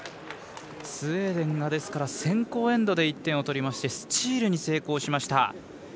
スウェーデンが、先攻エンドで１点を取りましてスチールに成功しました。